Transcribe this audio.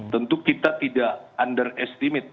tentu kita tidak underestimate